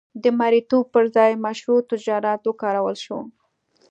د مریتوب پر ځای مشروع تجارت وکارول شو.